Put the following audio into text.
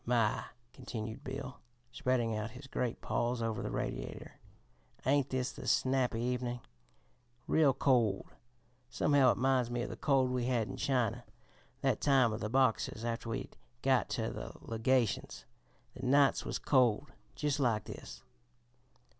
My!" continued Bill, spreading out his great paws over the radiator, "ain't this the snappy evenin'? Real cold. Somehow it 'minds me of the cold we had in China that time of the Boxers, after we'd got ter the Legations; the nights was cold just like this is."